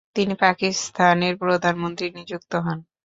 তিনি পাকিস্তানের প্রধানমন্ত্রী নিযুক্ত হন।